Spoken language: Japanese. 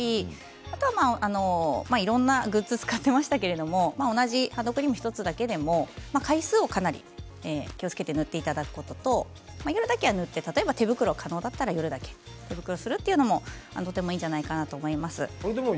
あといろんなグッズを使っていましたけれども同じハンドクリーム１つだけでも回数をかなり気をつけて塗っていただくことと夜だけは塗って手袋が可能だったら夜だけするというのもいいんじゃないかなと思います。